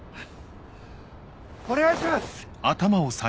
お願いします！